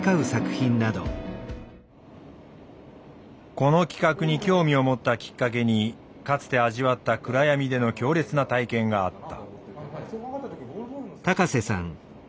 この企画に興味を持ったきっかけにかつて味わった暗闇での強烈な体験があった。